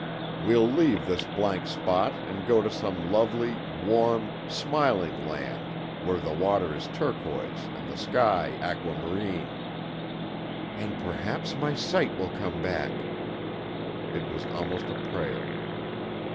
We'll leave this blank spot and go to some lovely, warm, smiling land where the water is turquoise and the sky aquamarine " "And perhaps my sight will come back." It was almost a prayer.